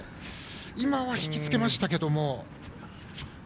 今は引きつけましたけど。